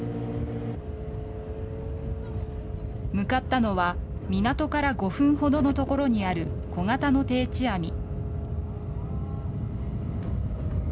向かったのは、港から５分ほどの所にある小型の定置網。